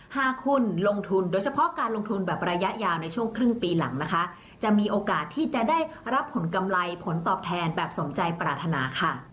หากคุณลงทุนโดยเฉพาะการลงทุนแบบระยะยาวในช่วงครึ่งปีหลังนะคะจะมีโอกาสที่จะได้รับผลกำไรผลตอบแทนแบบสมใจปรารถนาค่ะ